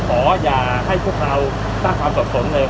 ขอให้พวกเราสร้างความสะสมเลยครับ